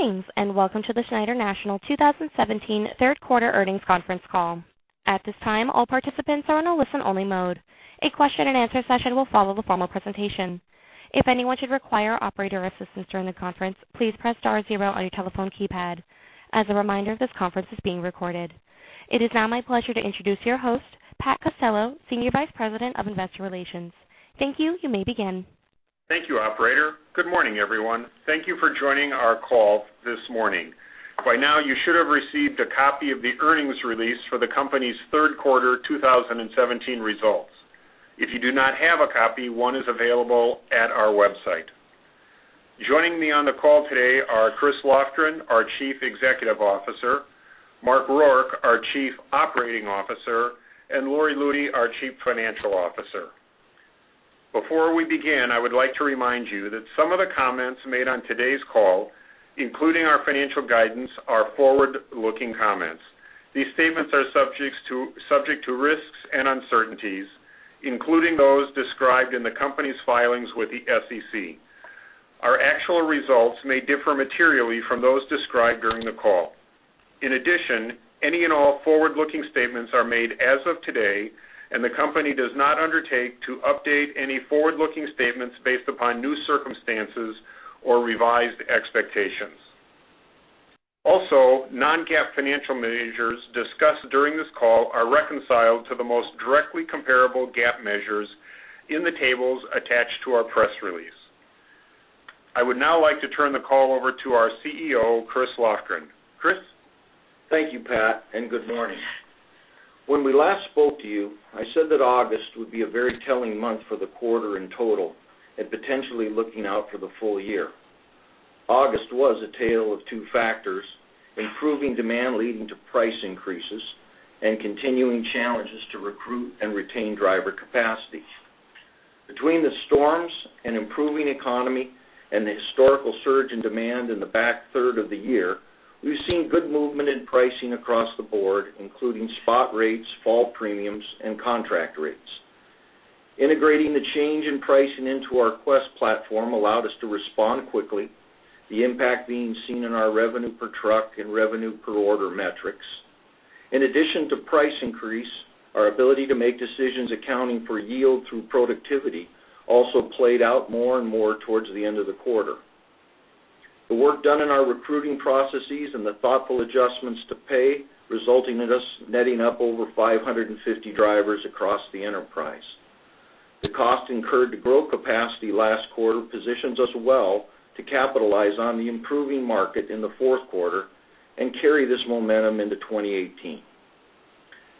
Thanks, and welcome to the Schneider National 2017 Third Quarter Earnings Conference call. At this time, all participants are on a listen-only mode. A question-and-answer session will follow the formal presentation. If anyone should require operator assistance during the conference, please press star zero on your telephone keypad. As a reminder, this conference is being recorded. It is now my pleasure to introduce your host, Pat Costello, Senior Vice President of Investor Relations. Thank you, you may begin. Thank you, operator. Good morning, everyone. Thank you for joining our call this morning. By now, you should have received a copy of the earnings release for the company's third quarter 2017 results. If you do not have a copy, one is available at our website. Joining me on the call today are Chris Lofgren, our Chief Executive Officer, Mark Rourke, our Chief Operating Officer, and Lori Lutey, our Chief Financial Officer. Before we begin, I would like to remind you that some of the comments made on today's call, including our financial guidance, are forward-looking comments. These statements are subject to risks and uncertainties, including those described in the company's filings with the SEC. Our actual results may differ materially from those described during the call. In addition, any and all forward-looking statements are made as of today, and the company does not undertake to update any forward-looking statements based upon new circumstances or revised expectations. Also, non-GAAP financial measures discussed during this call are reconciled to the most directly comparable GAAP measures in the tables attached to our press release. I would now like to turn the call over to our CEO, Chris Lofgren. Chris? Thank you, Pat, and good morning. When we last spoke to you, I said that August would be a very telling month for the quarter in total and potentially looking out for the full year. August was a tale of two factors: improving demand leading to price increases and continuing challenges to recruit and retain driver capacity. Between the storms and improving economy and the historical surge in demand in the back third of the year, we've seen good movement in pricing across the board, including spot rates, fall premiums, and contract rates. Integrating the change in pricing into our Quest platform allowed us to respond quickly, the impact being seen in our revenue per truck and revenue per order metrics. In addition to price increase, our ability to make decisions accounting for yield through productivity also played out more and more towards the end of the quarter. The work done in our recruiting processes and the thoughtful adjustments to pay resulted in us netting up over 550 drivers across the enterprise. The cost incurred to grow capacity last quarter positions us well to capitalize on the improving market in the fourth quarter and carry this momentum into 2018.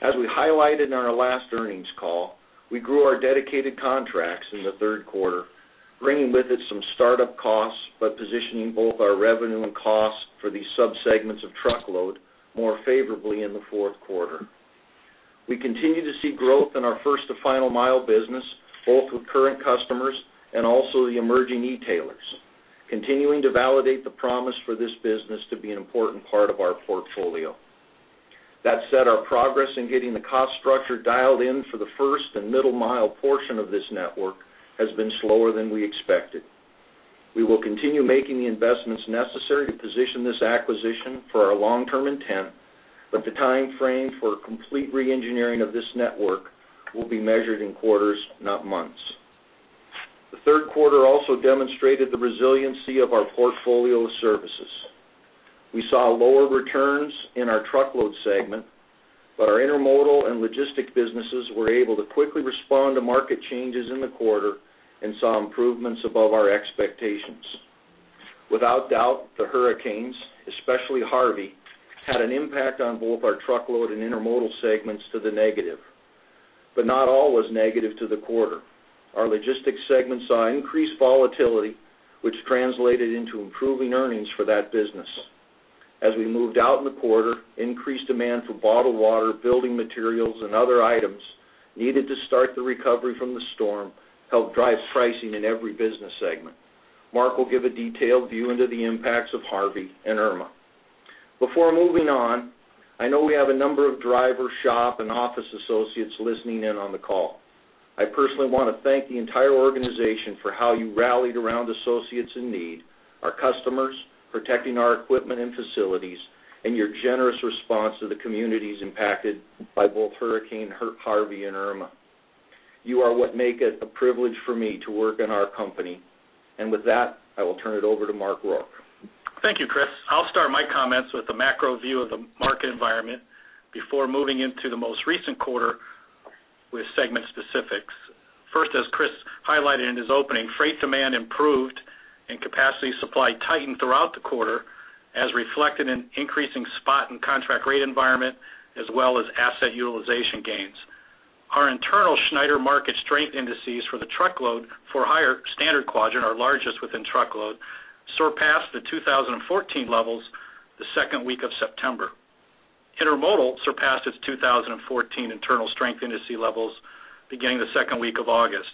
As we highlighted in our last earnings call, we grew our Dedicated contracts in the third quarter, bringing with it some startup costs but positioning both our revenue and costs for these subsegments of Truckload more favorably in the fourth quarter. We continue to see growth in our First-to-Final-Mile business, both with current customers and also the emerging retailers, continuing to validate the promise for this business to be an important part of our portfolio. That said, our progress in getting the cost structure dialed in for the first and middle-mile portion of this network has been slower than we expected. We will continue making the investments necessary to position this acquisition for our long-term intent, but the time frame for complete re-engineering of this network will be measured in quarters, not months. The third quarter also demonstrated the resiliency of our portfolio of services. We saw lower returns in our Truckload segment, but our Intermodal and Logistics businesses were able to quickly respond to market changes in the quarter and saw improvements above our expectations. Without doubt, the hurricanes, especially Harvey, had an impact on both our Truckload and Intermodal segments to the negative. But not all was negative to the quarter. Our Logistics segments saw increased volatility, which translated into improving earnings for that business. As we moved out in the quarter, increased demand for bottled water, building materials, and other items needed to start the recovery from the storm helped drive pricing in every business segment. Mark will give a detailed view into the impacts of Harvey and Irma. Before moving on, I know we have a number of driver, shop, and office associates listening in on the call. I personally want to thank the entire organization for how you rallied around associates in need, our customers, protecting our equipment and facilities, and your generous response to the communities impacted by both Hurricane Harvey and Irma. You are what make it a privilege for me to work in our company. And with that, I will turn it over to Mark Rourke. Thank you, Chris. I'll start my comments with a macro view of the market environment before moving into the most recent quarter with segment specifics. First, as Chris highlighted in his opening, freight demand improved and capacity supply tightened throughout the quarter as reflected in increasing spot and contract rate environment as well as asset utilization gains. Our internal Schneider market strength indices for the Truckload For-Hire Standard quadrant are largest within Truckload, surpassed the 2014 levels the second week of September. Intermodal surpassed its 2014 internal strength indices levels beginning the second week of August.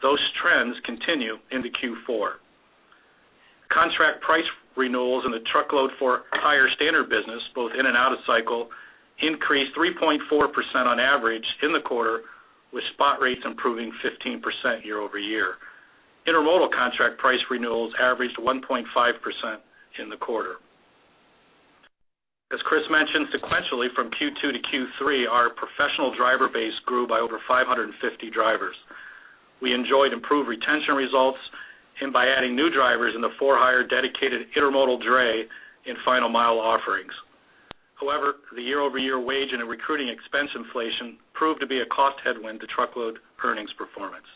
Those trends continue in the Q4. Contract price renewals in the Truckload For-Hire Standard business, both in and out of cycle, increased 3.4% on average in the quarter, with spot rates improving 15% year-over-year. Intermodal contract price renewals averaged 1.5% in the quarter. As Chris mentioned, sequentially from Q2 to Q3, our professional driver base grew by over 550 drivers. We enjoyed improved retention results by adding new drivers in the For-Hire, Dedicated, Intermodal Dray, and Final Mile offerings. However, the year-over-year wage and recruiting expense inflation proved to be a cost headwind to Truckload earnings performance.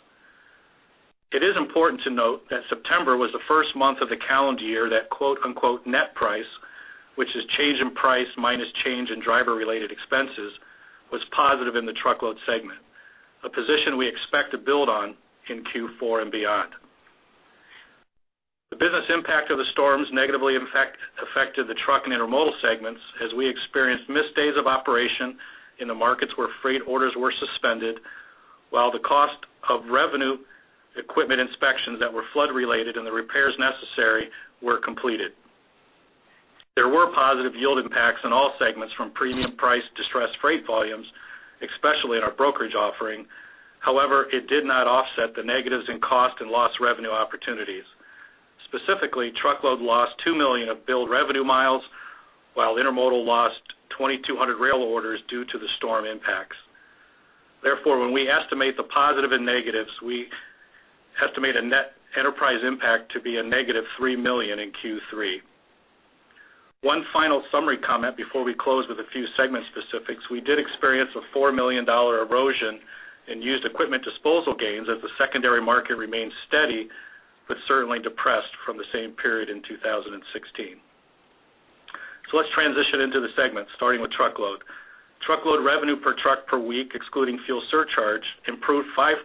It is important to note that September was the first month of the calendar year that "net price," which is change in price minus change in driver-related expenses, was positive in the Truckload segment, a position we expect to build on in Q4 and beyond. The business impact of the storms negatively affected the truck and Intermodal segments as we experienced missed days of operation in the markets where freight orders were suspended while the cost of revenue equipment inspections that were flood-related and the repairs necessary were completed. There were positive yield impacts in all segments from premium priced distressed freight volumes, especially in our brokerage offering. However, it did not offset the negatives in cost and lost revenue opportunities. Specifically, Truckload lost 2 million of billed revenue miles while Intermodal lost 2,200 rail orders due to the storm impacts. Therefore, when we estimate the positive and negatives, we estimate a net enterprise impact to be a negative 3 million in Q3. One final summary comment before we close with a few segment specifics: we did experience a $4 million erosion in used equipment disposal gains as the secondary market remained steady but certainly depressed from the same period in 2016. So let's transition into the segments, starting with Truckload. Truckload revenue per truck per week, excluding fuel surcharge, improved 5%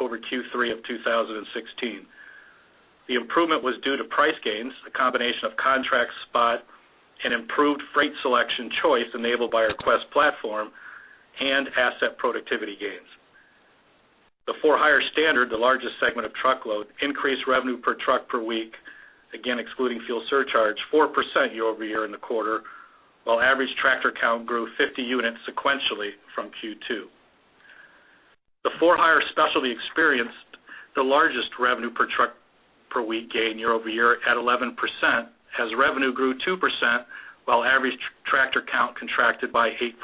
over Q3 of 2016. The improvement was due to price gains, a combination of contract spot and improved freight selection Choice enabled by our Quest platform, and asset productivity gains. The For-Hire Standard, the largest segment of Truckload, increased revenue per truck per week, again excluding fuel surcharge, 4% year-over-year in the quarter, while average tractor count grew 50 units sequentially from Q2. The For-Hire Specialty experienced the largest revenue per truck per week gain year-over-year at 11% as revenue grew 2% while average tractor count contracted by 8%.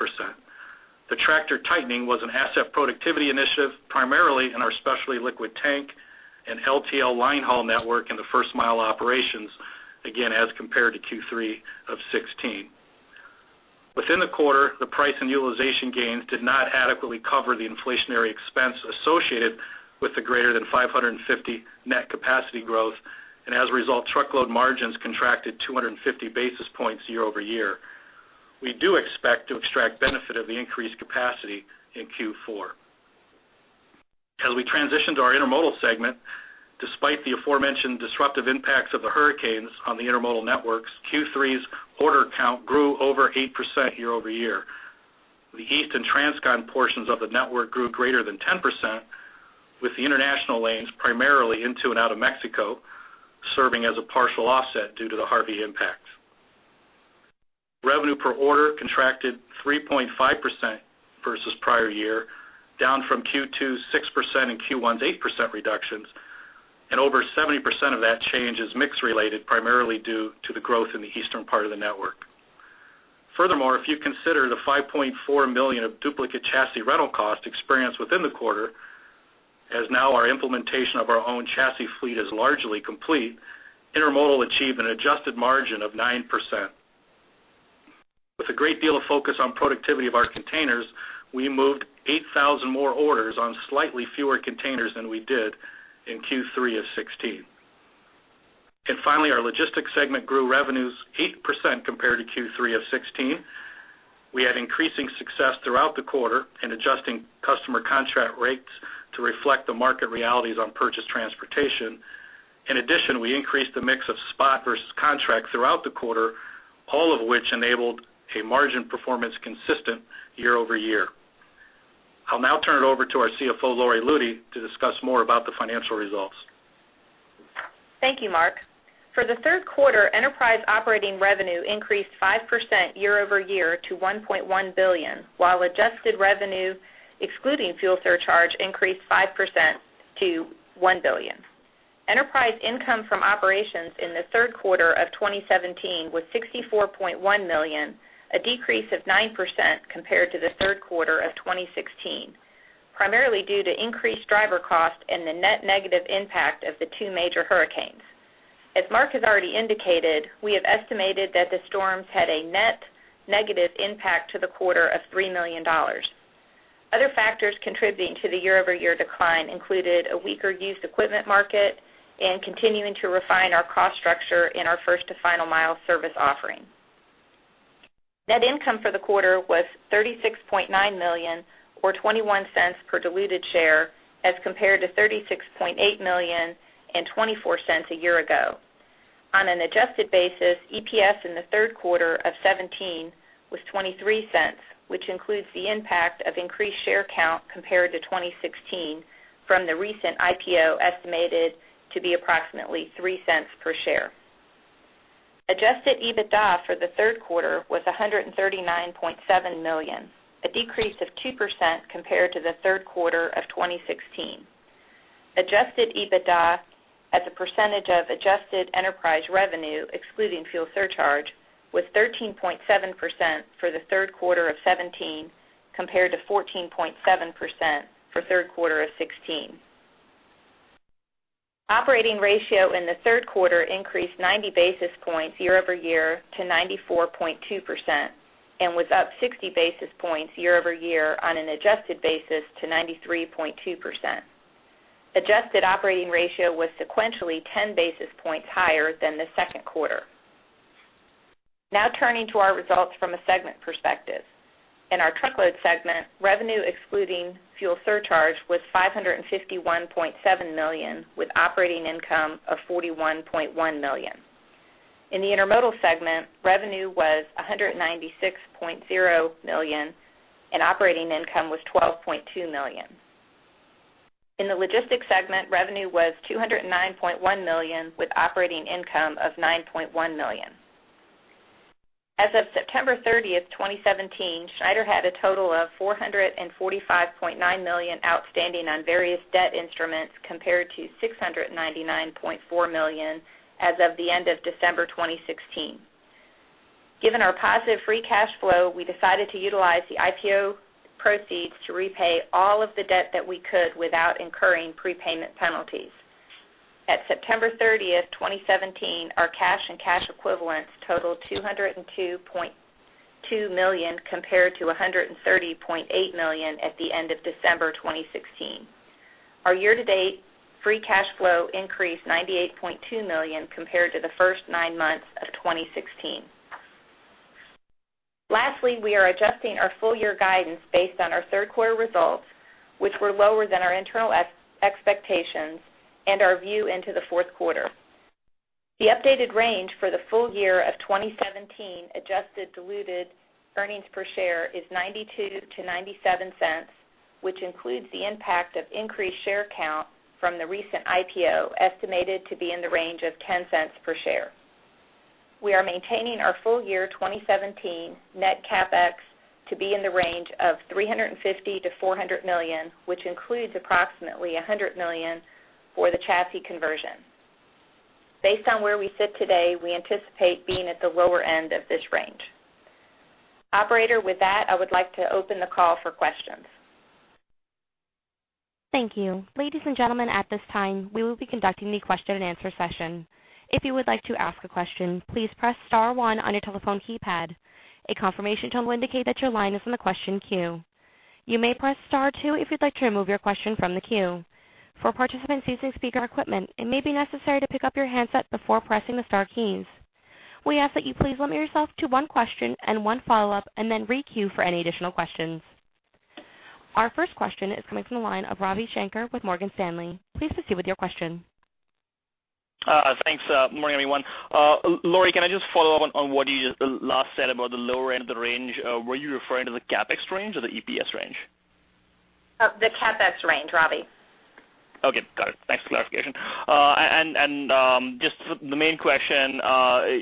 The tractor tightening was an asset productivity initiative primarily in our specialty liquid tank and LTL linehaul network in the first-mile operations, again as compared to Q3 of 2016. Within the quarter, the price and utilization gains did not adequately cover the inflationary expense associated with the greater than 550 net capacity growth, and as a result, Truckload margins contracted 250 basis points year-over-year. We do expect to extract benefit of the increased capacity in Q4. As we transition to our Intermodal segment, despite the aforementioned disruptive impacts of the hurricanes on the Intermodal networks, Q3's order count grew over 8% year-over-year. The east and Transcon portions of the network grew greater than 10%, with the international lanes primarily into and out of Mexico serving as a partial offset due to the Harvey impacts. Revenue per order contracted 3.5% versus prior year, down from Q2's 6% and Q1's 8% reductions, and over 70% of that change is mixed-related, primarily due to the growth in the eastern part of the network. Furthermore, if you consider the $5.4 million of duplicate chassis rental cost experienced within the quarter, as now our implementation of our own chassis fleet is largely complete, Intermodal achieved an adjusted margin of 9%. With a great deal of focus on productivity of our containers, we moved 8,000 more orders on slightly fewer containers than we did in Q3 of 2016. And finally, our Logistics segment grew revenues 8% compared to Q3 of 2016. We had increasing success throughout the quarter in adjusting customer contract rates to reflect the market realities on purchased transportation. In addition, we increased the mix of spot versus contract throughout the quarter, all of which enabled a margin performance consistent year-over-year. I'll now turn it over to our CFO, Lori Lutey, to discuss more about the financial results. Thank you, Mark. For the third quarter, enterprise operating revenue increased 5% year-over-year to $1.1 billion, while adjusted revenue, excluding fuel surcharge, increased 5% to $1 billion. Enterprise income from operations in the third quarter of 2017 was $64.1 million, a decrease of 9% compared to the third quarter of 2016, primarily due to increased driver cost and the net negative impact of the two major hurricanes. As Mark has already indicated, we have estimated that the storms had a net negative impact to the quarter of $3 million. Other factors contributing to the year-over-year decline included a weaker used equipment market and continuing to refine our cost structure in our First-to-Final-Mile service offering. Net income for the quarter was $36.9 million or $0.21 per diluted share as compared to $36.8 million and $0.24 a year ago. On an adjusted basis, EPS in the third quarter of 2017 was $0.23, which includes the impact of increased share count compared to 2016 from the recent IPO estimated to be approximately $0.03 per share. Adjusted EBITDA for the third quarter was $139.7 million, a decrease of 2% compared to the third quarter of 2016. Adjusted EBITDA, as a percentage of adjusted enterprise revenue excluding fuel surcharge, was 13.7% for the third quarter of 2017 compared to 14.7% for third quarter of 2016. Operating ratio in the third quarter increased 90 basis points year-over-year to 94.2% and was up 60 basis points year-over-year on an adjusted basis to 93.2%. Adjusted operating ratio was sequentially 10 basis points higher than the second quarter. Now turning to our results from a segment perspective. In our Truckload segment, revenue excluding fuel surcharge was $551.7 million with operating income of $41.1 million. In the Intermodal segment, revenue was $196.0 million and operating income was $12.2 million. In the Logistics segment, revenue was $209.1 million with operating income of $9.1 million. As of September 30, 2017, Schneider had a total of $445.9 million outstanding on various debt instruments compared to $699.4 million as of the end of December 2016. Given our positive free cash flow, we decided to utilize the IPO proceeds to repay all of the debt that we could without incurring prepayment penalties. At September 30, 2017, our cash and cash equivalents totaled $202.2 million compared to $130.8 million at the end of December 2016. Our year-to-date free cash flow increased $98.2 million compared to the first nine months of 2016. Lastly, we are adjusting our full-year guidance based on our third quarter results, which were lower than our internal expectations and our view into the fourth quarter. The updated range for the full year of 2017 adjusted diluted earnings per share is $0.92-$0.97, which includes the impact of increased share count from the recent IPO estimated to be in the range of $0.10 per share. We are maintaining our full year 2017 net CapEx to be in the range of $350 million-$400 million, which includes approximately $100 million for the chassis conversion. Based on where we sit today, we anticipate being at the lower end of this range. Operator, with that, I would like to open the call for questions. Thank you. Ladies and gentlemen, at this time, we will be conducting the question-and-answer session. If you would like to ask a question, please press star one on your telephone keypad. A confirmation tone will indicate that your line is on the question queue. You may press star two if you'd like to remove your question from the queue. For participants using speaker equipment, it may be necessary to pick up your handset before pressing the star keys. We ask that you please limit yourself to one question and one follow-up and then re-queue for any additional questions. Our first question is coming from the line of Ravi Shanker with Morgan Stanley. Please proceed with your question. Thanks. Morning, everyone. Lori, can I just follow up on what you just last said about the lower end of the range? Were you referring to the CapEx range or the EPS range? The CapEx range, Ravi. Okay. Got it. Thanks for the clarification. And just the main question,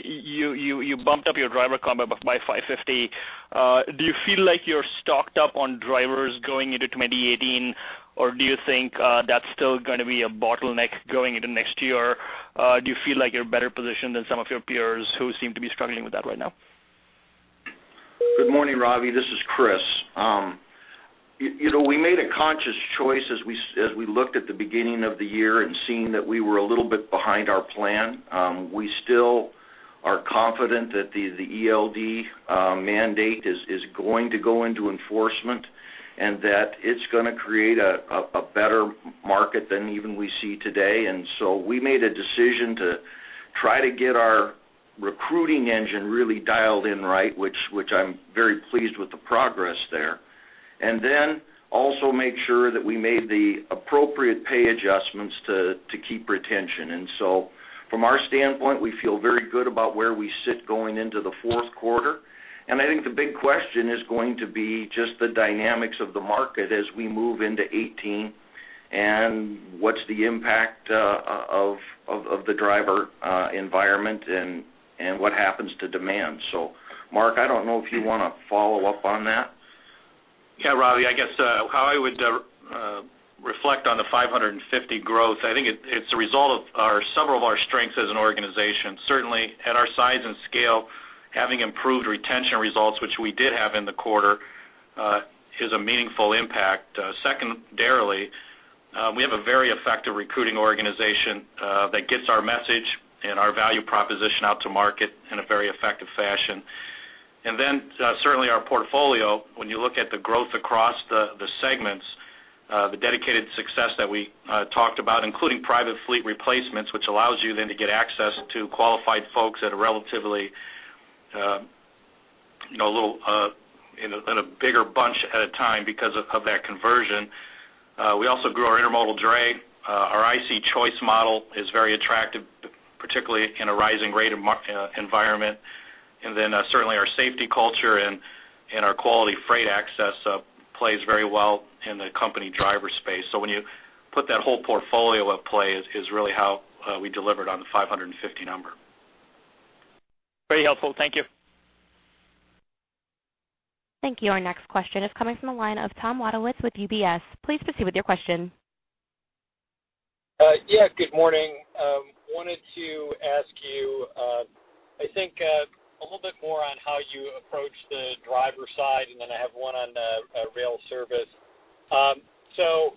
you bumped up your driver count by 550. Do you feel like you're stocked up on drivers going into 2018, or do you think that's still going to be a bottleneck going into next year? Do you feel like you're better positioned than some of your peers who seem to be struggling with that right now? Good morning, Ravi. This is Chris. We made a conscious choice as we looked at the beginning of the year and seeing that we were a little bit behind our plan. We still are confident that the ELD mandate is going to go into enforcement and that it's going to create a better market than even we see today. And so we made a decision to try to get our recruiting engine really dialed in right, which I'm very pleased with the progress there, and then also make sure that we made the appropriate pay adjustments to keep retention. And so from our standpoint, we feel very good about where we sit going into the fourth quarter. I think the big question is going to be just the dynamics of the market as we move into 2018 and what's the impact of the driver environment and what happens to demand. Mark, I don't know if you want to follow up on that. Yeah, Ravi. I guess how I would reflect on the 550 growth, I think it's a result of several of our strengths as an organization. Certainly, at our size and scale, having improved retention results, which we did have in the quarter, is a meaningful impact. Secondarily, we have a very effective recruiting organization that gets our message and our value proposition out to market in a very effective fashion. And then certainly, our portfolio, when you look at the growth across the segments, the dedicated success that we talked about, including private fleet replacements, which allows you then to get access to qualified folks that are relatively a little in a bigger bunch at a time because of that conversion. We also grew our Intermodal dray. Our IC Choice model is very attractive, particularly in a rising rate environment. Then certainly, our safety culture and our quality freight access plays very well in the company driver space. So when you put that whole portfolio at play is really how we delivered on the 550 number. Very helpful. Thank you. Thank you. Our next question is coming from the line of Thomas Wadewitz with UBS. Please proceed with your question. Yeah. Good morning. Wanted to ask you, I think, a little bit more on how you approach the driver side, and then I have one on rail service. So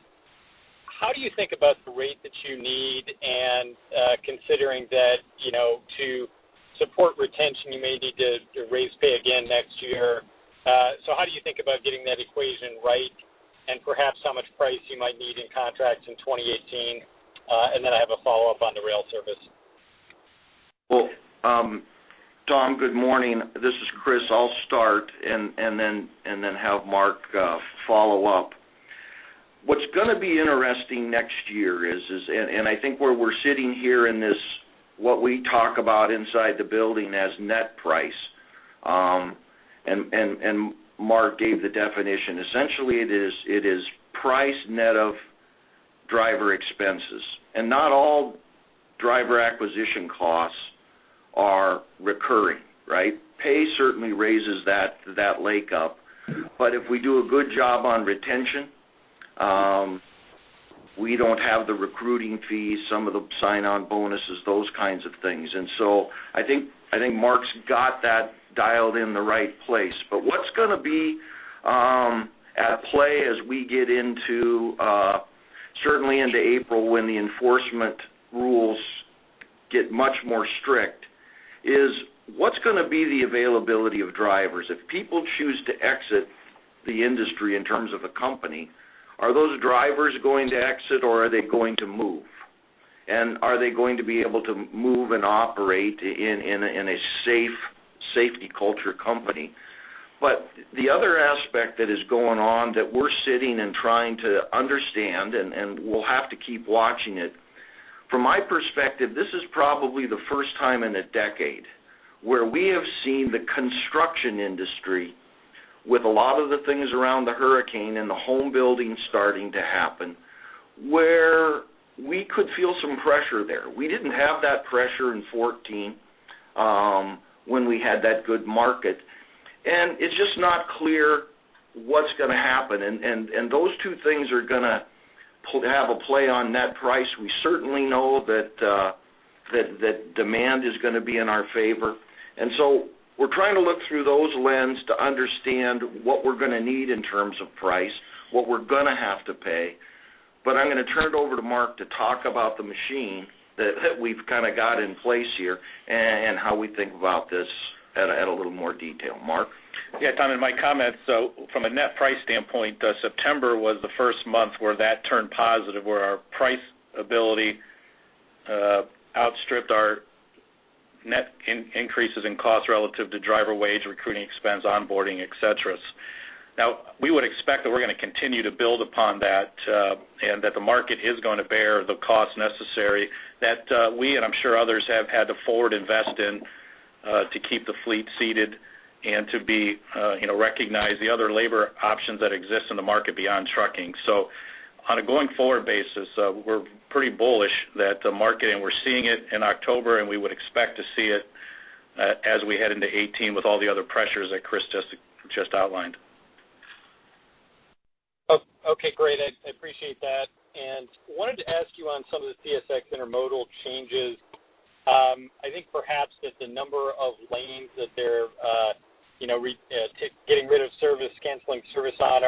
how do you think about the rate that you need and considering that to support retention, you may need to raise pay again next year? So how do you think about getting that equation right and perhaps how much price you might need in contracts in 2018? And then I have a follow-up on the rail service. Well, Tom, good morning. This is Chris. I'll start and then have Mark follow up. What's going to be interesting next year is, and I think where we're sitting here in this, what we talk about inside the building as net price, and Mark gave the definition, essentially, it is price net of driver expenses. And not all driver acquisition costs are recurring, right? Pay certainly raises that, like, up. But if we do a good job on retention, we don't have the recruiting fees, some of the sign-on bonuses, those kinds of things. And so I think Mark's got that dialed in the right place. But what's going to be at play as we get into, certainly into April, when the enforcement rules get much more strict, is what's going to be the availability of drivers? If people choose to exit the industry in terms of the company, are those drivers going to exit, or are they going to move? Are they going to be able to move and operate in a safe safety culture company? The other aspect that is going on that we're sitting and trying to understand, and we'll have to keep watching it, from my perspective, this is probably the first time in a decade where we have seen the construction industry with a lot of the things around the hurricane and the home building starting to happen where we could feel some pressure there. We didn't have that pressure in 2014 when we had that good market. It's just not clear what's going to happen. Those two things are going to have a play on net price. We certainly know that demand is going to be in our favor. And so we're trying to look through those lenses to understand what we're going to need in terms of price, what we're going to have to pay. But I'm going to turn it over to Mark to talk about the machine that we've kind of got in place here and how we think about this at a little more detail. Mark? Yeah, Tom, in my comments, so from a net price standpoint, September was the first month where that turned positive, where our price ability outstripped our net increases in cost relative to driver wage, recruiting expense, onboarding, etc. Now, we would expect that we're going to continue to build upon that and that the market is going to bear the cost necessary, that we, and I'm sure others, have had to forward invest in to keep the fleet seated and to recognize the other labor options that exist in the market beyond trucking. So on a going forward basis, we're pretty bullish that the market, and we're seeing it in October, and we would expect to see it as we head into 2018 with all the other pressures that Chris just outlined. Okay. Great. I appreciate that. And wanted to ask you on some of the CSX Intermodal changes. I think perhaps that the number of lanes that they're getting rid of service, canceling service on,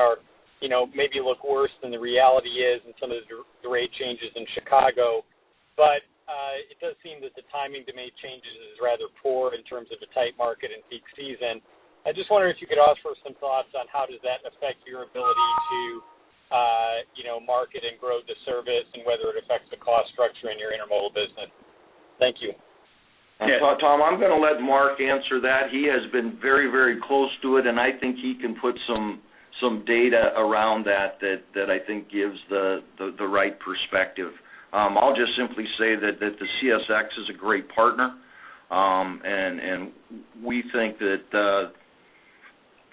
maybe look worse than the reality is in some of the rate changes in Chicago. But it does seem that the timing to make changes is rather poor in terms of a tight market and peak season. I just wonder if you could offer some thoughts on how does that affect your ability to market and grow the service and whether it affects the cost structure in your Intermodal business? Thank you. Yeah. Tom, I'm going to let Mark answer that. He has been very, very close to it, and I think he can put some data around that that I think gives the right perspective. I'll just simply say that the CSX is a great partner, and we think that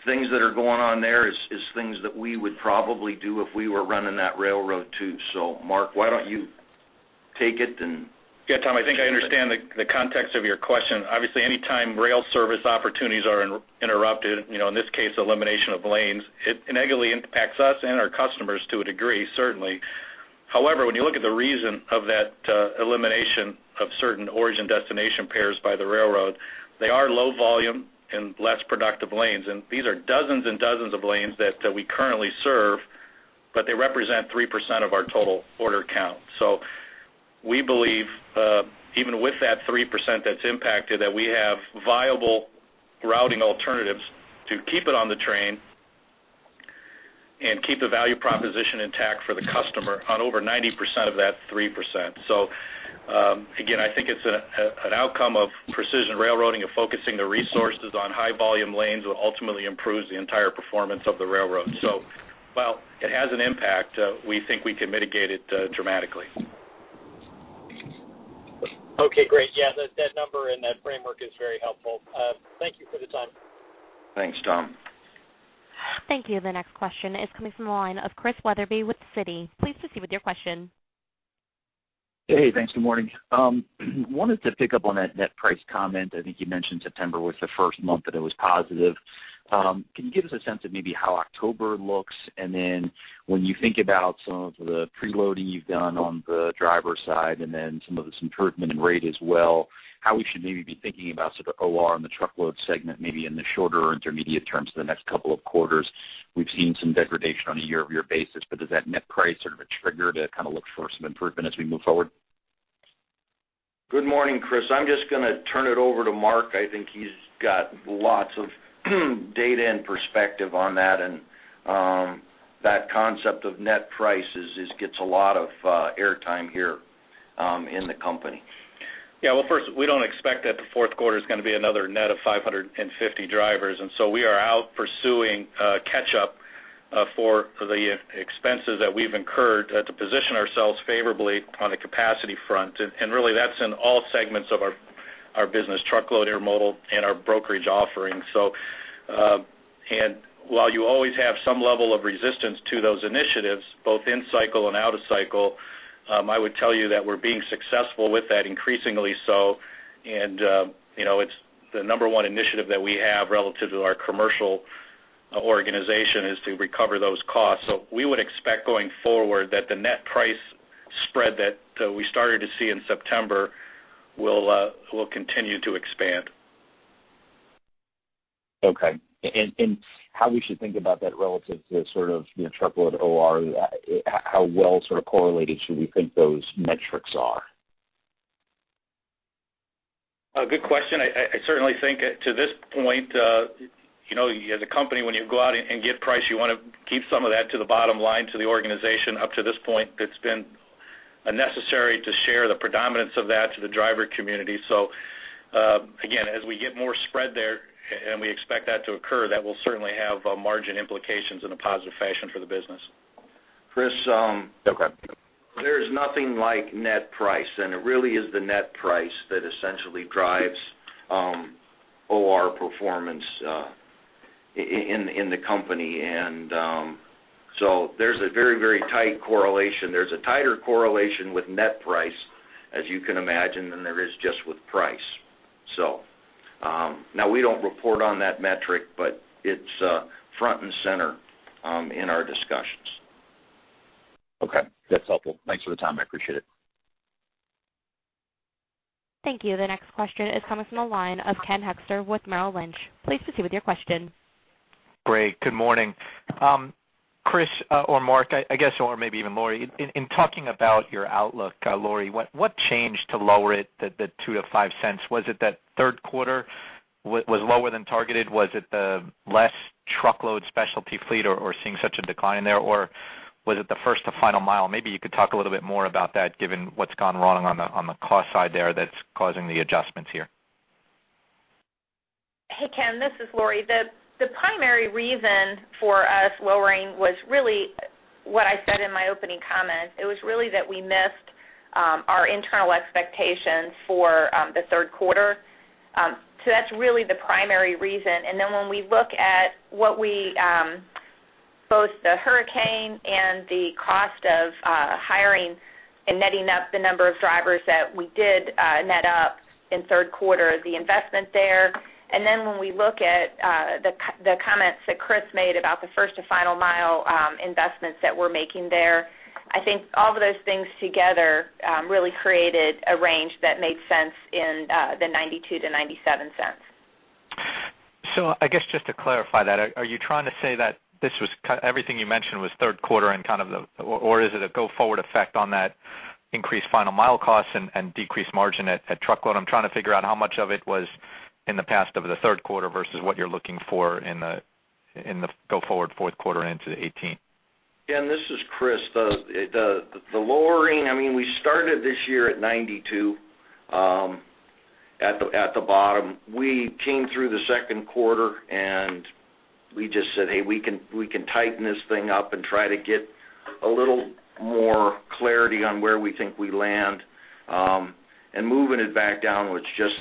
things that are going on there is things that we would probably do if we were running that railroad too. So Mark, why don't you take it and. Yeah, Tom, I think I understand the context of your question. Obviously, anytime rail service opportunities are interrupted, in this case, elimination of lanes, it negatively impacts us and our customers to a degree, certainly. However, when you look at the reason of that elimination of certain origin-destination pairs by the railroad, they are low-volume and less productive lanes. And these are dozens and dozens of lanes that we currently serve, but they represent 3% of our total order count. So we believe, even with that 3% that's impacted, that we have viable routing alternatives to keep it on the train and keep the value proposition intact for the customer on over 90% of that 3%. So again, I think it's an outcome of Precision Railroading and focusing the resources on high-volume lanes that ultimately improves the entire performance of the railroad. While it has an impact, we think we can mitigate it dramatically. Okay. Great. Yeah, that number and that framework is very helpful. Thank you for the time. Thanks, Tom. Thank you. The next question is coming from the line of Chris Wetherbee with Citi. Please proceed with your question. Hey. Thanks. Good morning. Wanted to pick up on that net price comment. I think you mentioned September was the first month that it was positive. Can you give us a sense of maybe how October looks? And then when you think about some of the preloading you've done on the driver side and then some of this improvement in rate as well, how we should maybe be thinking about sort of OR and the Truckload segment maybe in the shorter or intermediate terms for the next couple of quarters? We've seen some degradation on a year-over-year basis, but does that net price sort of trigger to kind of look for some improvement as we move forward? Good morning, Chris. I'm just going to turn it over to Mark. I think he's got lots of data and perspective on that. That concept of net prices gets a lot of airtime here in the company. Yeah. Well, first, we don't expect that the fourth quarter is going to be another net of 550 drivers. And so we are out pursuing catch-up for the expenses that we've incurred to position ourselves favorably on the capacity front. And really, that's in all segments of our business, Truckload Intermodal and our brokerage offering. And while you always have some level of resistance to those initiatives, both in-cycle and out-of-cycle, I would tell you that we're being successful with that increasingly so. And it's the number one initiative that we have relative to our commercial organization is to recover those costs. So we would expect going forward that the net price spread that we started to see in September will continue to expand. Okay. How we should think about that relative to sort of Truckload OR, how well sort of correlated should we think those metrics are? Good question. I certainly think to this point, as a company, when you go out and get price, you want to keep some of that to the bottom line, to the organization. Up to this point, it's been unnecessary to share the predominance of that to the driver community. So again, as we get more spread there and we expect that to occur, that will certainly have margin implications in a positive fashion for the business. Chris, there's nothing like net price, and it really is the net price that essentially drives OR performance in the company. And so there's a very, very tight correlation. There's a tighter correlation with net price, as you can imagine, than there is just with price. So now, we don't report on that metric, but it's front and center in our discussions. Okay. That's helpful. Thanks for the time. I appreciate it. Thank you. The next question is coming from the line of Ken Hoexter with Merrill Lynch. Please proceed with your question. Great. Good morning, Chris or Mark, I guess, or maybe even Lori. In talking about your outlook, Lori, what changed to lower it the $0.02-$0.05? Was it that third quarter was lower than targeted? Was it the less Truckload specialty fleet or seeing such a decline in there, or was it the First to Final Mile? Maybe you could talk a little bit more about that given what's gone wrong on the cost side there that's causing the adjustments here. Hey, Ken. This is Lori. The primary reason for us lowering was really what I said in my opening comments. It was really that we missed our internal expectations for the third quarter. So that's really the primary reason. And then when we look at both the hurricane and the cost of hiring and netting up the number of drivers that we did net up in third quarter, the investment there, and then when we look at the comments that Chris made about the First to Final Mile investments that we're making there, I think all of those things together really created a range that made sense in the $0.92-$0.97. So I guess just to clarify that, are you trying to say that everything you mentioned was third quarter and kind of the or is it a go-forward effect on that increased final mile cost and decreased margin at Truckload? I'm trying to figure out how much of it was in the past of the third quarter versus what you're looking for in the go-forward fourth quarter into 2018. Yeah. And this is Chris. The lowering, I mean, we started this year at 92 at the bottom. We came through the second quarter, and we just said, "Hey, we can tighten this thing up and try to get a little more clarity on where we think we land." Moving it back down was just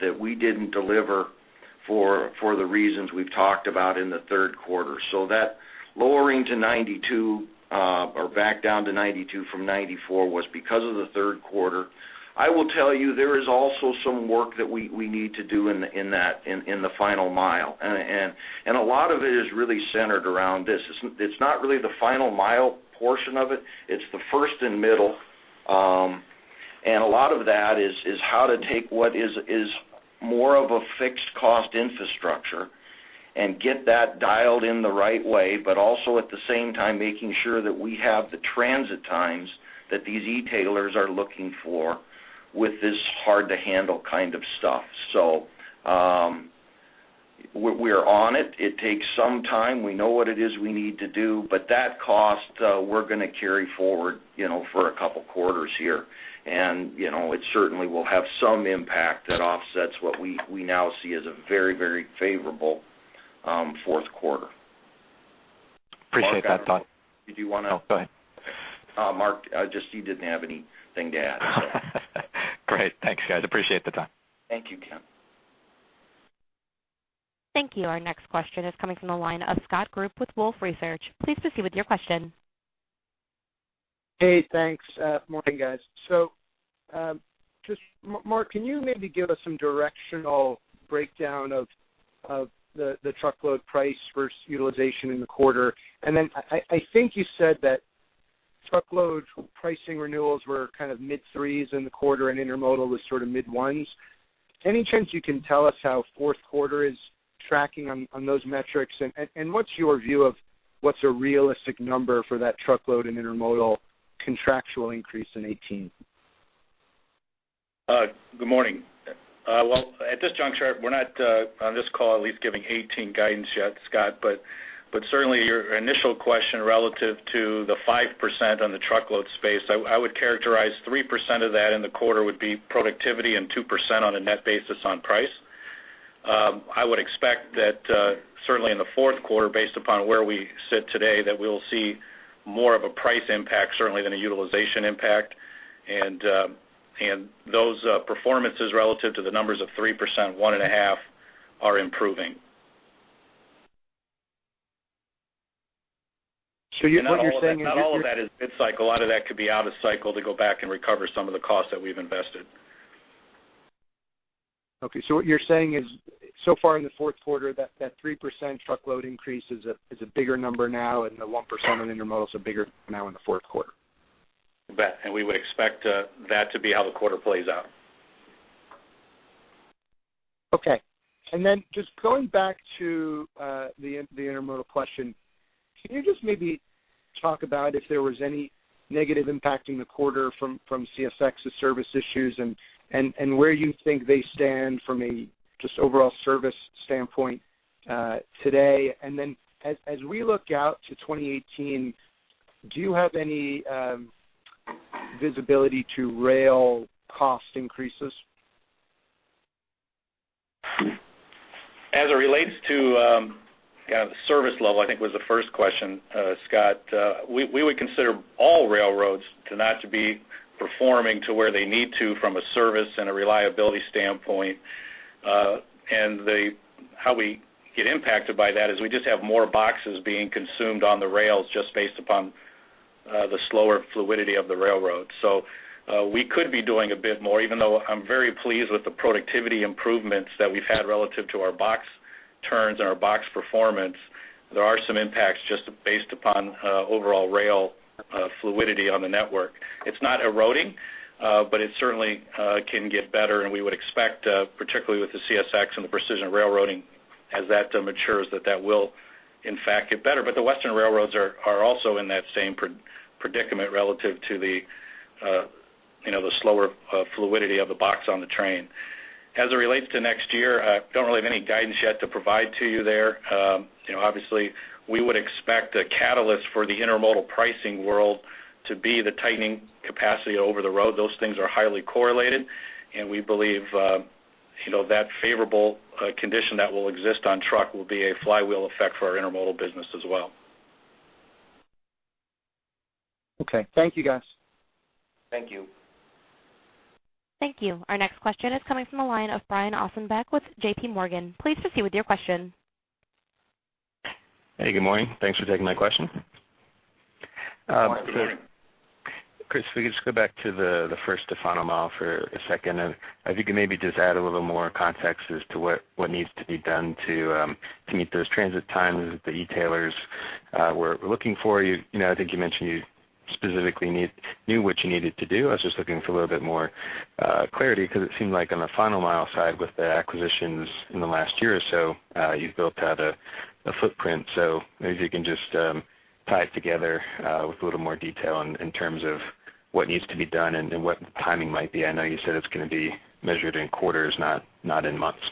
that we didn't deliver for the reasons we've talked about in the third quarter. So that lowering to 92 or back down to 92 from 94 was because of the third quarter. I will tell you, there is also some work that we need to do in the final mile. A lot of it is really centered around this. It's not really the final mile portion of it. It's the first and middle. And a lot of that is how to take what is more of a fixed-cost infrastructure and get that dialed in the right way, but also at the same time making sure that we have the transit times that these e-tailers are looking for with this hard-to-handle kind of stuff. So we're on it. It takes some time. We know what it is we need to do, but that cost, we're going to carry forward for a couple quarters here. And it certainly will have some impact that offsets what we now see as a very, very favorable fourth quarter. Appreciate that thought. Mark, did you want to? Oh, go ahead. Mark, just you didn't have anything to add, so. Great. Thanks, guys. Appreciate the time. Thank you, Ken. Thank you. Our next question is coming from the line of Scott Group with Wolfe Research. Please proceed with your question. Hey. Thanks. Good morning, guys. So just Mark, can you maybe give us some directional breakdown of the Truckload price versus utilization in the quarter? And then I think you said that Truckload pricing renewals were kind of mid-threes in the quarter and Intermodal was sort of mid-ones. Any chance you can tell us how fourth quarter is tracking on those metrics? And what's your view of what's a realistic number for that Truckload and Intermodal contractual increase in 2018? Good morning. Well, at this juncture, we're not on this call at least giving 2018 guidance yet, Scott. But certainly, your initial question relative to the 5% on the Truckload space, I would characterize 3% of that in the quarter would be productivity and 2% on a net basis on price. I would expect that certainly in the fourth quarter, based upon where we sit today, that we'll see more of a price impact, certainly, than a utilization impact. And those performances relative to the numbers of 3%, 1.5, are improving. What you're saying is you're. Not all of that is mid-cycle. A lot of that could be out of cycle to go back and recover some of the costs that we've invested. Okay. So what you're saying is so far in the fourth quarter, that 3% Truckload increase is a bigger number now, and the 1% on Intermodal is a bigger number now in the fourth quarter. We would expect that to be how the quarter plays out. Okay. And then just going back to the Intermodal question, can you just maybe talk about if there was any negative impacting the quarter from CSX's service issues and where you think they stand from a just overall service standpoint today? And then as we look out to 2018, do you have any visibility to rail cost increases? As it relates to kind of the service level, I think was the first question, Scott. We would consider all railroads to not be performing to where they need to from a service and a reliability standpoint. How we get impacted by that is we just have more boxes being consumed on the rails just based upon the slower fluidity of the railroad. We could be doing a bit more, even though I'm very pleased with the productivity improvements that we've had relative to our box turns and our box performance. There are some impacts just based upon overall rail fluidity on the network. It's not eroding, but it certainly can get better. We would expect, particularly with the CSX and the Precision Railroading, as that matures, that that will, in fact, get better. But the Western railroads are also in that same predicament relative to the slower fluidity of the box on the train. As it relates to next year, I don't really have any guidance yet to provide to you there. Obviously, we would expect a catalyst for the Intermodal pricing world to be the tightening capacity over the road. Those things are highly correlated. And we believe that favorable condition that will exist on truck will be a flywheel effect for our Intermodal business as well. Okay. Thank you, guys. Thank you. Thank you. Our next question is coming from the line of Brian Ossenbeck with J.P. Morgan. Please proceed with your question. Hey. Good morning. Thanks for taking my question. Morning. Morning. Chris, if we could just go back to the First to Final Mile for a second. I think you maybe just add a little more context as to what needs to be done to meet those transit times that the e-tailers were looking for. I think you mentioned you specifically knew what you needed to do. I was just looking for a little bit more clarity because it seemed like on the final mile side with the acquisitions in the last year or so, you've built out a footprint. So maybe you can just tie it together with a little more detail in terms of what needs to be done and what the timing might be. I know you said it's going to be measured in quarters, not in months.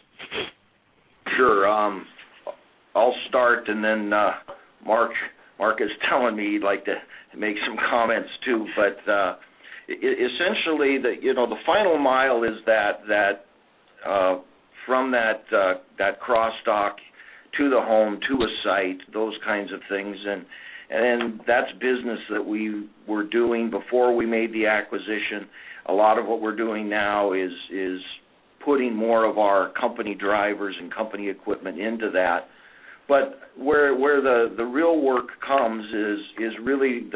Sure. I'll start. And then Mark is telling me he'd like to make some comments too. But essentially, the final mile is that from that cross-dock to the home to a site, those kinds of things. And that's business that we were doing before we made the acquisition. A lot of what we're doing now is putting more of our company drivers and company equipment into that. But where the real work comes is really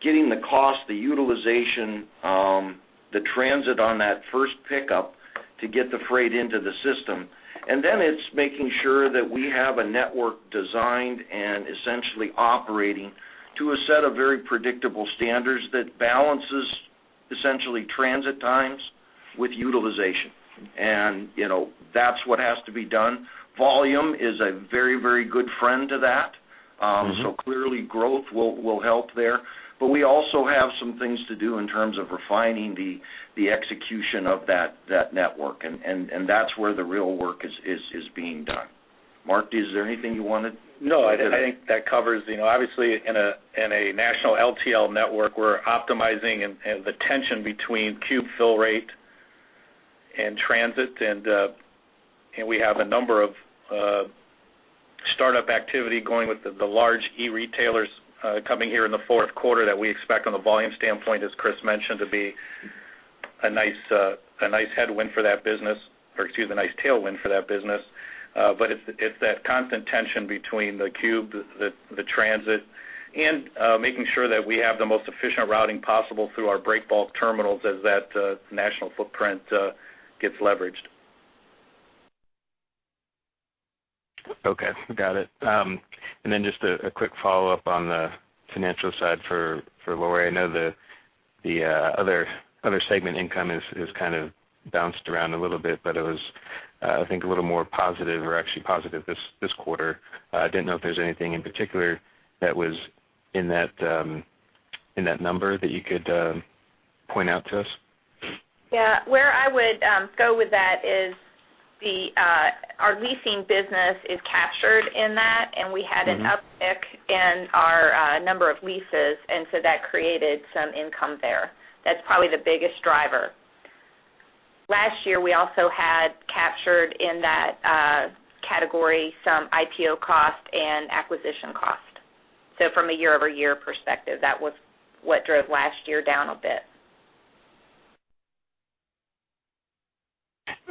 getting the cost, the utilization, the transit on that first pickup to get the freight into the system. And then it's making sure that we have a network designed and essentially operating to a set of very predictable standards that balances essentially transit times with utilization. And that's what has to be done. Volume is a very, very good friend to that. So clearly, growth will help there. But we also have some things to do in terms of refining the execution of that network. And that's where the real work is being done. Mark, is there anything you wanted to add? No. I think that covers obviously, in a national LTL network, we're optimizing the tension between cube fill rate and transit. And we have a number of startup activity going with the large e-retailers coming here in the fourth quarter that we expect on the volume standpoint, as Chris mentioned, to be a nice headwind for that business or excuse me, a nice tailwind for that business. But it's that constant tension between the cube, the transit, and making sure that we have the most efficient routing possible through our break bulk terminals as that national footprint gets leveraged. Okay. Got it. And then just a quick follow-up on the financial side for Lori. I know the other segment income has kind of bounced around a little bit, but it was, I think, a little more positive or actually positive this quarter. I didn't know if there's anything in particular that was in that number that you could point out to us. Yeah. Where I would go with that is our leasing business is captured in that, and we had an uptick in our number of leases. And so that created some income there. That's probably the biggest driver. Last year, we also had captured in that category some IPO cost and acquisition cost. So from a year-over-year perspective, that was what drove last year down a bit.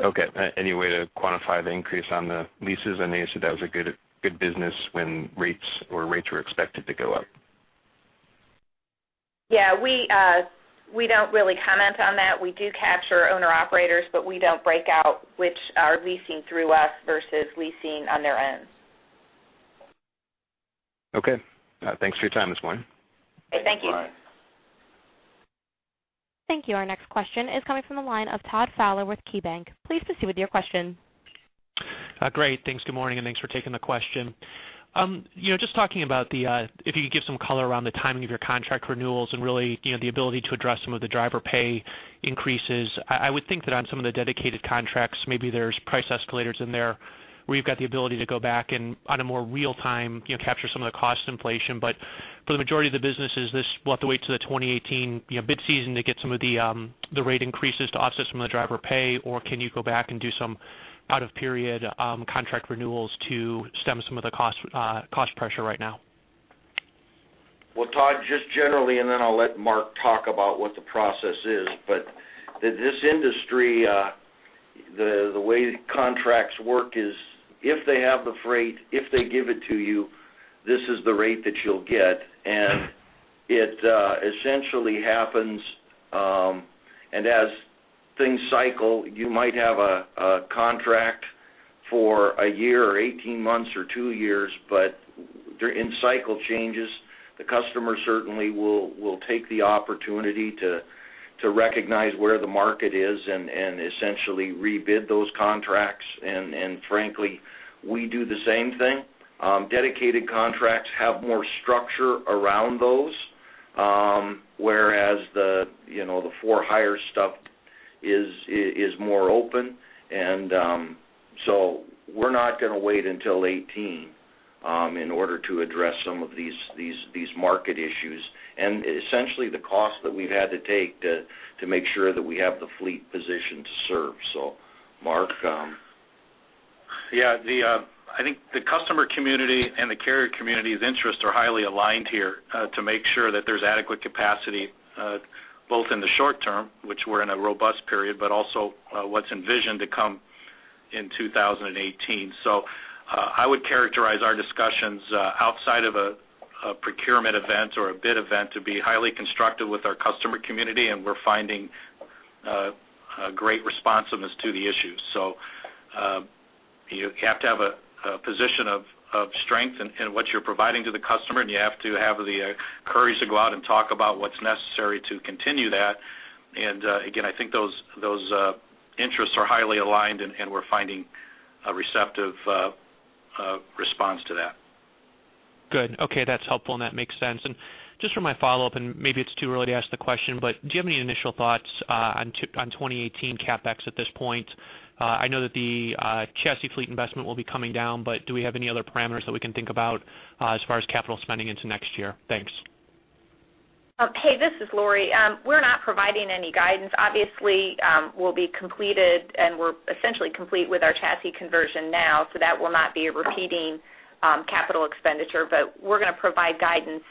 Okay. Any way to quantify the increase on the leases? I know you said that was a good business when rates were expected to go up. Yeah. We don't really comment on that. We do capture owner-operators, but we don't break out which are leasing through us versus leasing on their own. Okay. Thanks for your time this morning. Okay. Thank you. Bye. Thank you. Our next question is coming from the line of Todd Fowler with KeyBanc. Please proceed with your question. Great. Thanks. Good morning. And thanks for taking the question. Just talking about if you could give some color around the timing of your contract renewals and really the ability to address some of the driver pay increases. I would think that on some of the dedicated contracts, maybe there's price escalators in there where you've got the ability to go back and on a more real-time capture some of the cost inflation. But for the majority of the businesses, this left the way to the 2018 bid season to get some of the rate increases to offset some of the driver pay, or can you go back and do some out-of-period contract renewals to stem some of the cost pressure right now? Well, Todd, just generally, and then I'll let Mark talk about what the process is. But this industry, the way contracts work is if they have the freight, if they give it to you, this is the rate that you'll get. And it essentially happens. And as things cycle, you might have a contract for a year or 18 months or 2 years. But in cycle changes, the customer certainly will take the opportunity to recognize where the market is and essentially re-bid those contracts. And frankly, we do the same thing. Dedicated contracts have more structure around those, whereas the for-hire stuff is more open. And so we're not going to wait until 2018 in order to address some of these market issues and essentially the cost that we've had to take to make sure that we have the fleet positioned to serve. So, Mark. Yeah. I think the customer community and the carrier community's interests are highly aligned here to make sure that there's adequate capacity both in the short term, which we're in a robust period, but also what's envisioned to come in 2018. So I would characterize our discussions outside of a procurement event or a bid event to be highly constructive with our customer community. And we're finding great responsiveness to the issues. So you have to have a position of strength in what you're providing to the customer, and you have to have the courage to go out and talk about what's necessary to continue that. And again, I think those interests are highly aligned, and we're finding a receptive response to that. Good. Okay. That's helpful, and that makes sense. Just for my follow-up, and maybe it's too early to ask the question, but do you have any initial thoughts on 2018 CapEx at this point? I know that the chassis fleet investment will be coming down, but do we have any other parameters that we can think about as far as capital spending into next year? Thanks. Hey. This is Lori. We're not providing any guidance. Obviously, we'll be completed, and we're essentially complete with our chassis conversion now, so that will not be a repeating capital expenditure. But we're going to provide guidance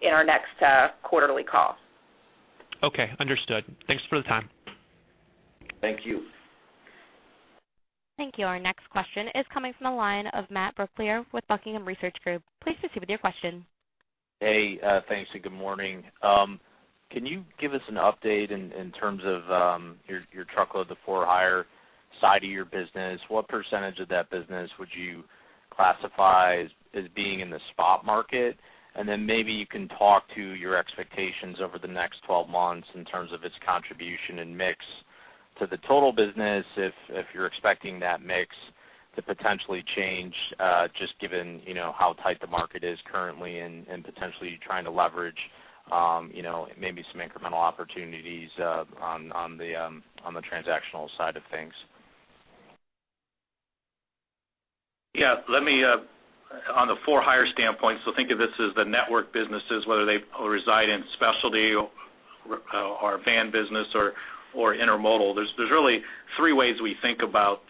in our next quarterly call. Okay. Understood. Thanks for the time. Thank you. Thank you. Our next question is coming from the line of Matt Brooklier with Buckingham Research Group. Please proceed with your question. Hey. Thanks. And good morning. Can you give us an update in terms of your Truckload, the for-hire side of your business? What percentage of that business would you classify as being in the spot market? And then maybe you can talk to your expectations over the next 12 months in terms of its contribution and mix to the total business if you're expecting that mix to potentially change just given how tight the market is currently and potentially trying to leverage maybe some incremental opportunities on the transactional side of things. Yeah. On the for-hire standpoint, so think of this as the network businesses, whether they reside in specialty or van business or Intermodal. There's really three ways we think about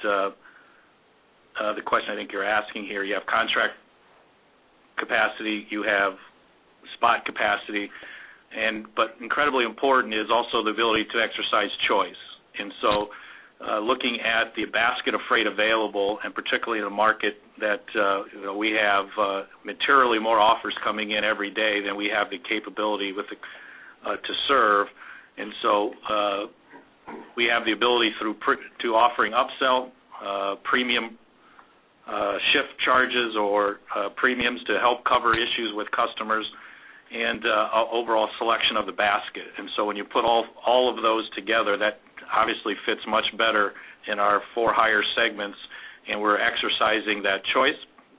the question I think you're asking here. You have contract capacity. You have spot capacity. But incredibly important is also the ability to exercise choice. And so, looking at the basket of freight available and particularly in a market that we have materially more offers coming in every day than we have the capability to serve. And so we have the ability through offering upsell, premium shift charges or premiums to help cover issues with customers, and overall selection of the basket. And so when you put all of those together, that obviously fits much better in our for-hire segments. And we're exercising that choice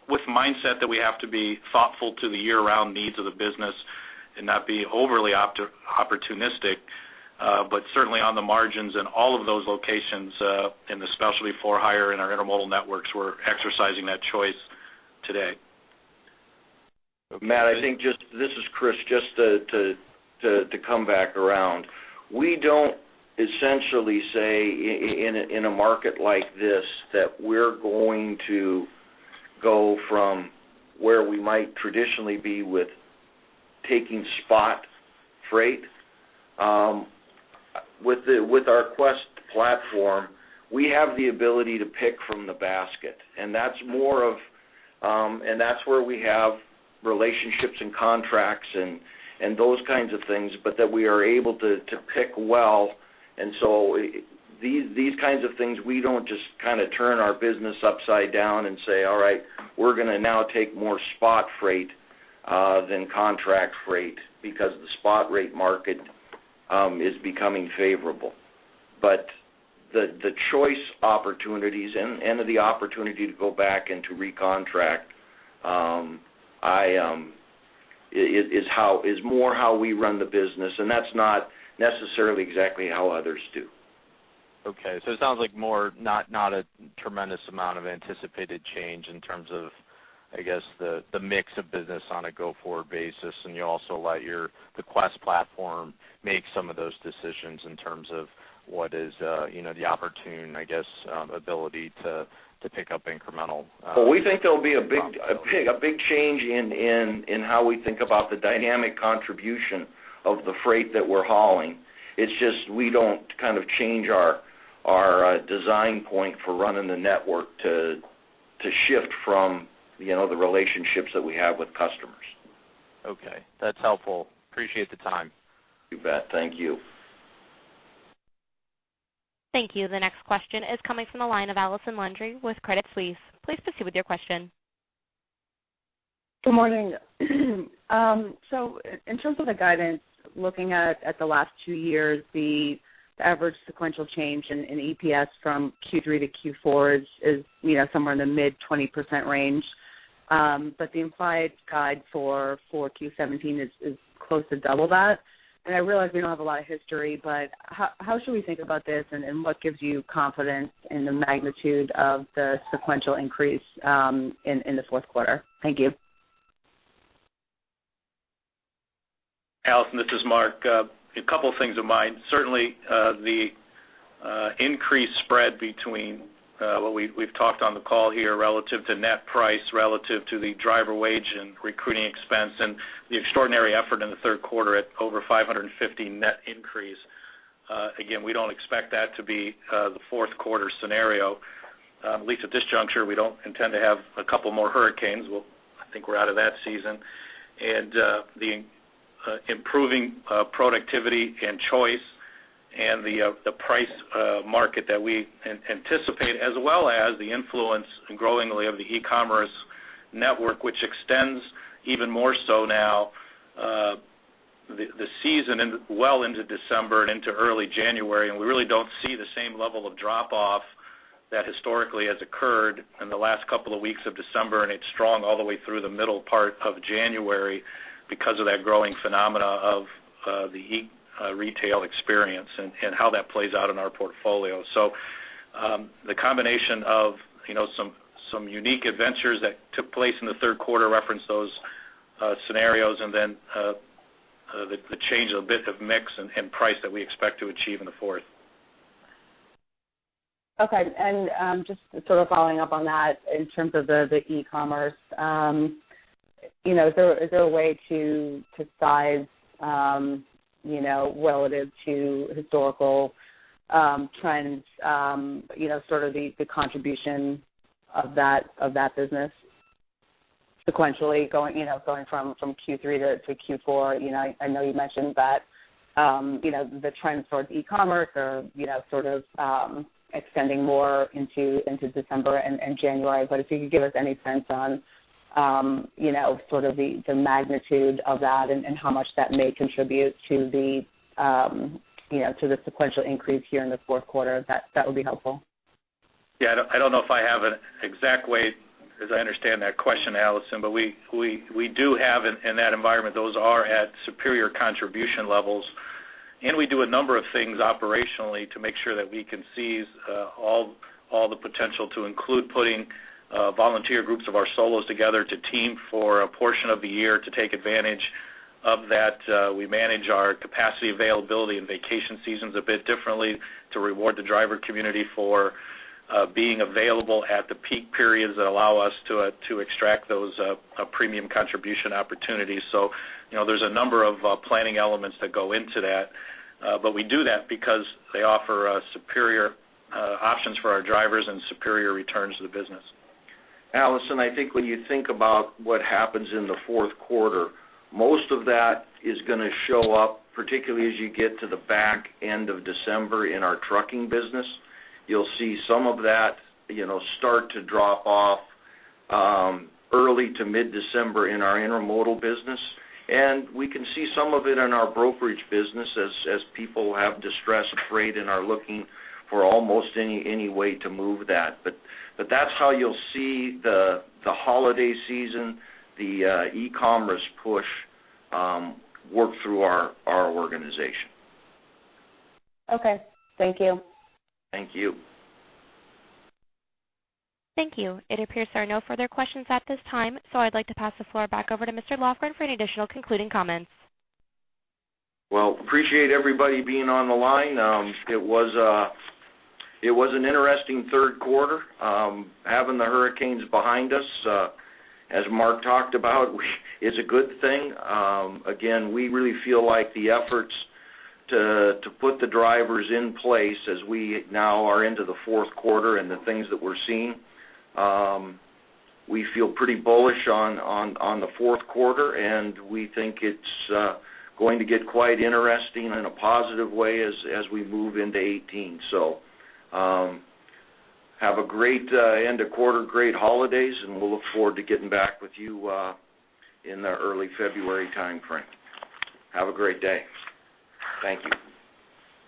with mindset that we have to be thoughtful to the year-round needs of the business and not be overly opportunistic. But certainly, on the margins in all of those locations in the specialty for-hire and our Intermodal networks, we're exercising that choice today. Matt, I think just this is Chris, just to come back around. We don't essentially say in a market like this that we're going to go from where we might traditionally be with taking spot freight. With our Quest platform, we have the ability to pick from the basket. And that's more of and that's where we have relationships and contracts and those kinds of things, but that we are able to pick well. And so these kinds of things, we don't just kind of turn our business upside down and say, "All right. We're going to now take more spot freight than contract freight because the spot rate market is becoming favorable." But the choice opportunities and the opportunity to go back and to recontract is more how we run the business. And that's not necessarily exactly how others do. Okay. So it sounds like not a tremendous amount of anticipated change in terms of, I guess, the mix of business on a go-forward basis. And you also let the Quest platform make some of those decisions in terms of what is the opportune, I guess, ability to pick up incremental. Well, we think there'll be a big change in how we think about the dynamic contribution of the freight that we're hauling. It's just we don't kind of change our design point for running the network to shift from the relationships that we have with customers. Okay. That's helpful. Appreciate the time. You bet. Thank you. Thank you. The next question is coming from the line of Allison Landry with Credit Suisse. Please proceed with your question. Good morning. In terms of the guidance, looking at the last two years, the average sequential change in EPS from Q3 to Q4 is somewhere in the mid-20% range. But the implied guide for Q4 '17 is close to double that. I realize we don't have a lot of history, but how should we think about this, and what gives you confidence in the magnitude of the sequential increase in the fourth quarter? Thank you. Allison, this is Mark. A couple of things of mine. Certainly, the increased spread between what we've talked on the call here relative to net price, relative to the driver wage and recruiting expense, and the extraordinary effort in the third quarter at over 550 net increase. Again, we don't expect that to be the fourth quarter scenario. At least at this juncture, we don't intend to have a couple more hurricanes. I think we're out of that season. And the improving productivity and choice and the price market that we anticipate, as well as the influence growingly of the e-commerce network, which extends even more so now, the season well into December and into early January. And we really don't see the same level of drop-off that historically has occurred in the last couple of weeks of December. It's strong all the way through the middle part of January because of that growing phenomena of the retail experience and how that plays out in our portfolio. The combination of some unique adventures that took place in the third quarter reference those scenarios and then the change of a bit of mix and price that we expect to achieve in the fourth. Okay. And just sort of following up on that in terms of the e-commerce, is there a way to size relative to historical trends, sort of the contribution of that business sequentially going from Q3 to Q4? I know you mentioned that the trends towards e-commerce are sort of extending more into December and January. But if you could give us any sense on sort of the magnitude of that and how much that may contribute to the sequential increase here in the fourth quarter, that would be helpful. Yeah. I don't know if I have an exact way, as I understand that question, Allison, but we do have in that environment, those are at superior contribution levels. We do a number of things operationally to make sure that we can seize all the potential to include putting volunteer groups of our solos together to team for a portion of the year to take advantage of that. We manage our capacity availability in vacation seasons a bit differently to reward the driver community for being available at the peak periods that allow us to extract those premium contribution opportunities. There's a number of planning elements that go into that. We do that because they offer superior options for our drivers and superior returns to the business. Allison, I think when you think about what happens in the fourth quarter, most of that is going to show up, particularly as you get to the back end of December in our trucking business. You'll see some of that start to drop off early to mid-December in our Intermodal business. We can see some of it in our brokerage business as people have distressed freight and are looking for almost any way to move that. That's how you'll see the holiday season, the e-commerce push work through our organization. Okay. Thank you. Thank you. Thank you. It appears there are no further questions at this time, so I'd like to pass the floor back over to Mr. Lofgren for any additional concluding comments. Well, appreciate everybody being on the line. It was an interesting third quarter. Having the hurricanes behind us, as Mark talked about, is a good thing. Again, we really feel like the efforts to put the drivers in place as we now are into the fourth quarter and the things that we're seeing, we feel pretty bullish on the fourth quarter. And we think it's going to get quite interesting in a positive way as we move into 2018. So have a great end of quarter, great holidays, and we'll look forward to getting back with you in the early February timeframe. Have a great day. Thank you.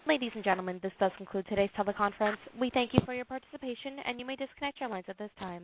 Ladies and gentlemen, this does conclude today's teleconference. We thank you for your participation, and you may disconnect your lines at this time.